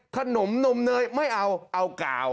ขนมนมเนยไม่เอาเอากาว